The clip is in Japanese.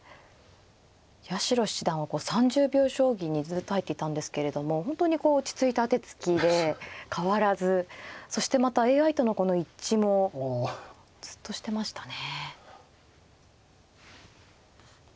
八代七段は３０秒将棋にずっと入っていたんですけれども本当にこう落ち着いた手つきで変わらずそしてまたＡＩとの一致もずっとしてましたね。